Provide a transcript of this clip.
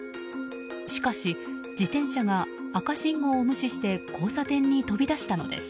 しかし、自転車が赤信号を無視して交差点に飛び出したのです。